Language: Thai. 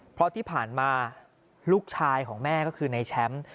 เพราะที่ผ่านมาลูกชายของแม่ก็คือในแชมป์